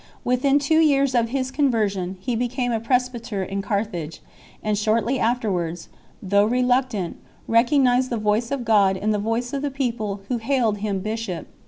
, Within two years from his conversion he became a presbyter in Carthage, and shortly afterwards, though reluctant, recognized the voice of God in the voice of the people who hailed him bishop 6